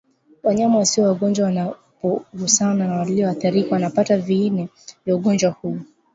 Wanyama wasio wagonjwa wanapogusana na walioathirika wanapata viini vya ugonjwa huu